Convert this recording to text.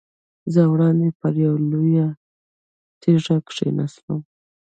زه وړاندې پر یوه لویه تیږه کېناستم.